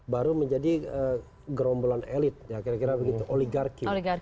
baru menjadi gerombolan elit ya kira kira begitu oligarki